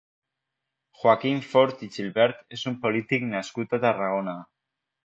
Joaquim Fort i Gibert és un polític nascut a Tarragona.